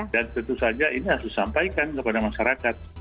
dan tentu saja ini harus disampaikan kepada masyarakat